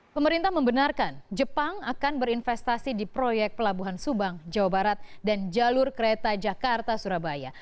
pemerintah membenarkan jepang akan berinvestasi di proyek pelabuhan subang jawa barat dan jalur kereta jakarta surabaya